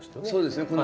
そうですね